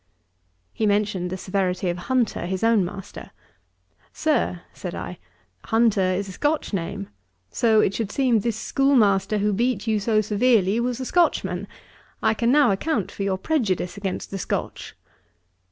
He mentioned the severity of Hunter, his own Master. 'Sir, (said I,) Hunter is a Scotch name: so it should seem this schoolmaster who beat you so severely was a Scotchman. I can now account for your prejudice against the Scotch.'